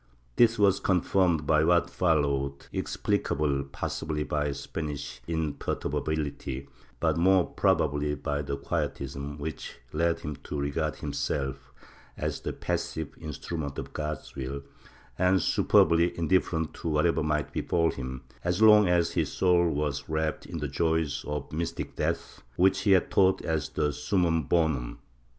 This was confirmed by what followed, explicable possibly by Span ish imperturbability, but more probably by the Quietism which led him to regard himself as the passive instrument of God's will, and superbly indifferent to whatever might befall him, so long as his soul was rapt in the joys of the mystic death, which he had taught as the suDimurn honum.